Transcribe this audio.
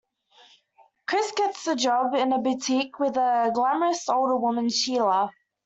Chris gets a job in a boutique with a glamorous older woman, Sheila.